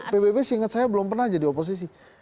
pbb seingat saya belum pernah jadi oposisi